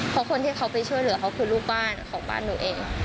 เพราะคนที่เขาไปช่วยเหลือเขาคือลูกบ้านของบ้านหนูเอง